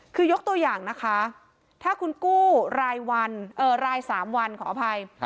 คือยกตัวอย่างนะคะถ้าคุณกู้รายวันราย๓วันขออภัย